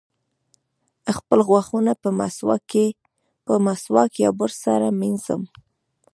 خپل غاښونه په مسواک یا برس سره مینځم.